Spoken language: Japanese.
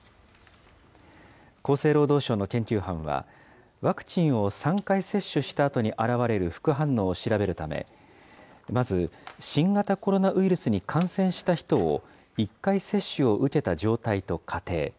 厚生労働省の研究班は、ワクチンを３回接種したあとに現れる副反応を調べるため、まず、新型コロナウイルスに感染した人を１回接種を受けた状態と仮定。